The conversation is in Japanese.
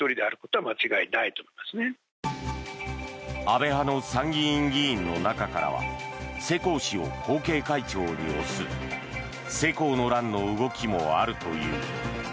安倍派の参議院議員の中からは世耕氏を後継会長に推す世耕の乱の動きもあるという。